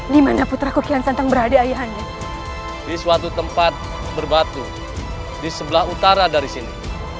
dimana putra kukian santang berada ayah anda di suatu tempat berbatu di sebelah utara dari sini